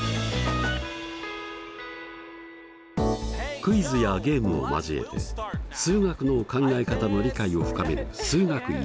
クイズやゲームを交えて数学の考え方の理解を深める「数学Ⅰ」。